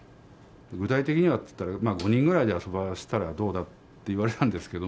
具体的には５人ぐらいで遊ばせたらどうだって言われたんですけど。